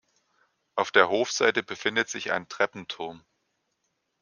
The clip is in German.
Auf der Hofseite befindet sich ein Treppenturm.